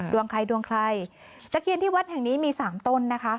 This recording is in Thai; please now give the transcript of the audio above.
ดวงใครดวงใครตะเคียนที่วัดแห่งนี้มีสามต้นนะคะ